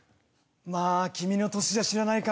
まあ君の歳じゃ知らないか。